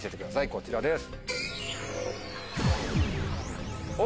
こちらです。